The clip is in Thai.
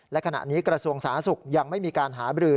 และขณะนี้กระทรวงสาธารณสุขยังไม่มีการหาบรือ